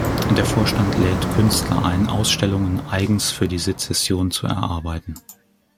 Der Vorstand lädt Künstler ein, Ausstellungen eigens für die Secession zu erarbeiten.